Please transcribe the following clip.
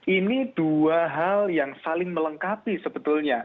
ini dua hal yang saling melengkapi sebetulnya